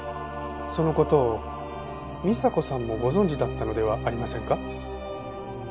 その事を美沙子さんもご存じだったのではありませんか？